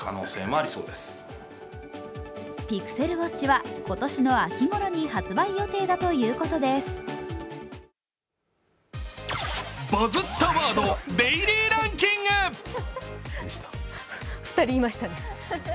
ＰｉｘｅｌＷａｔｃｈは今年の秋ごろに発売予定だということです。